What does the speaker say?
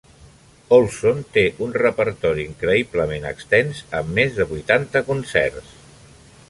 Ohlsson té un repertori increïblement extens, amb més de vuitanta concerts.